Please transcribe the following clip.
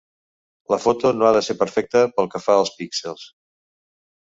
La foto no ha de ser perfecta pel que fa als píxels.